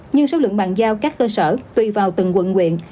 nhưng số lượng bàn giao các cơ sở tùy vào từng quận quyện